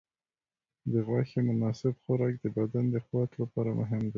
د غوښې مناسب خوراک د بدن د قوت لپاره مهم دی.